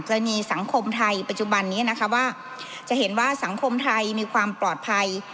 กรณีสังคมไทยปัจจุบันนี้นะคะว่าจะเห็นว่าสังคมไทยมีความปลอดภัย